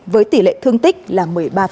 với tỷ lệ thương tích là một mươi ba